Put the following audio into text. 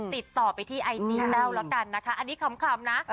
ติดต่อไปที่ไอจีแต้วแล้วกันนะคะอันนี้ขำนะ